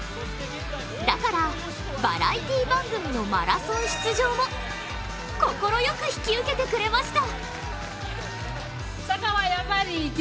だから、バラエティー番組のマラソン出場も快く引き受けてくれました。